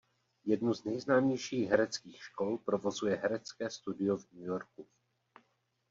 Jednu z nejznámějších hereckých škol provozuje Herecké studio v New Yorku.